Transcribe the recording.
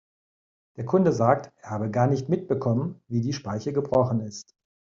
Der Kunde sagt, er habe gar nicht mitbekommen, wie die Speiche gebrochen ist.